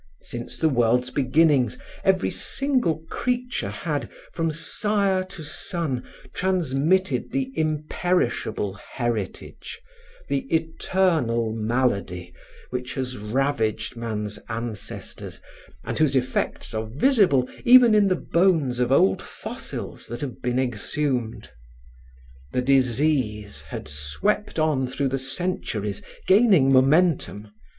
Since the world's beginnings, every single creature had, from sire to son, transmitted the imperishable heritage, the eternal malady which has ravaged man's ancestors and whose effects are visible even in the bones of old fossils that have been exhumed. The disease had swept on through the centuries gaining momentum.